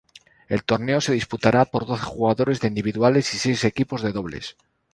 El torneo se disputará por doce jugadores de individuales y seis equipos de dobles.